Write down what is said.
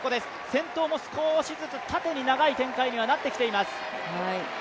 先頭も少しずつ縦に長い展開になってきています。